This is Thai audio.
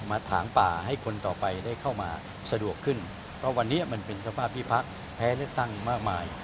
ถางป่าให้คนต่อไปได้เข้ามาสะดวกขึ้นเพราะวันนี้มันเป็นสภาพที่พักแพ้เลือกตั้งมากมาย